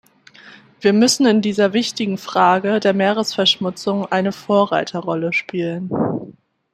Wir müssen in dieser wichtigen Frage der Meeresverschmutzung eine Vorreiterrolle spielen.